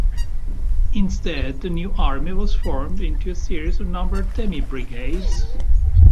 Instead, the new army was formed into a series of numbered "demi-brigades".